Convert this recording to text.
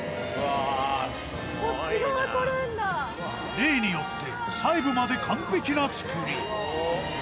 例によって細部まで完璧な造り